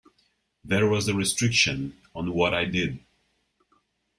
There was that restriction on what I did.